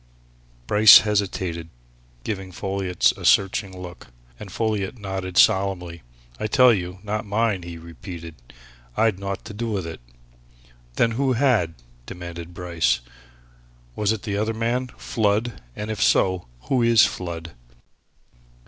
Bryce hesitated, giving Folliot a searching look. And Folliot nodded solemnly. "I tell you, not mine!" he repeated. "I'd naught to do with it!" "Then who had?" demanded Bryce. "Was it the other man Flood? And if so, who is Flood?"